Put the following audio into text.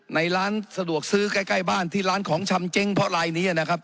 ในร้านสะดวกซื้อใกล้บ้านที่ร้านของชำเจ๊งเพราะลายนี้นะครับ